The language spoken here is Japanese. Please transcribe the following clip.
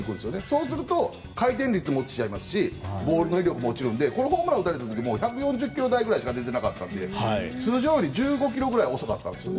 そうすると回転率も落ちちゃいますしボールの威力も落ちるのでホームラン打たれた時１４０ｋｍ台しか出てなかったので通常より１５ｋｍくらい遅かったんです。